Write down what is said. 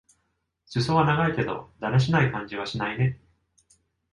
すそは長いけど、だらしない感じはしないね。